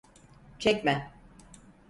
Çekme!